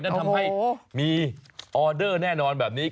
นั่นทำให้มีออเดอร์แน่นอนแบบนี้